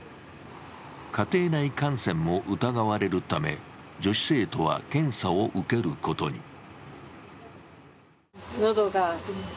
家庭内感染も疑われるため、女子生徒は検査を受けることに。